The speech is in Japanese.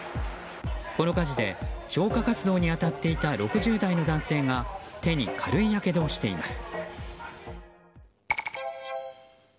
この火事で消火活動に当たっていた６０代の男性が手に軽いやけどをしています。